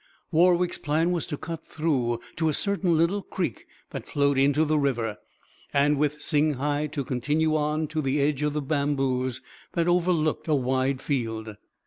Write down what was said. Warwick's plan was to cut through to a certain little creek that flowed into the river and with Singhai to continue on to the edge of the bamboos that overlooked a wide field.